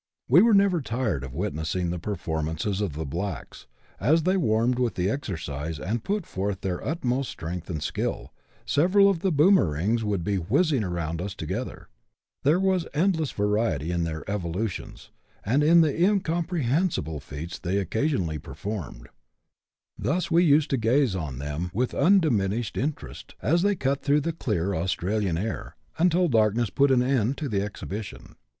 We were never tired of witnessing the performances of the blacks ; as they warmed with the exercise, and put forth their utmost strength and skill, several of the boomerings would be whizzing around us together ; there was endless variety in their evolutions, and in the incomprehensible feats they occa sionally performed ; thus we used to gaze on them with undimi nished interest, as they cut through the clear Australian air, until darkness put an end to the exhibition.